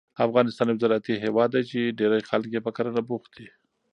افغانستان یو زراعتي هېواد دی چې ډېری خلک یې په کرنه بوخت دي.